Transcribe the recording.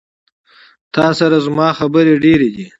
تا سره زما خبري ډيري دي